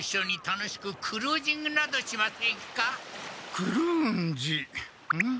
クルーンジん？